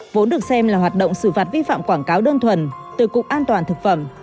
vốn được xem là hoạt động xử phạt vi phạm quảng cáo đơn thuần từ cục an toàn thực phẩm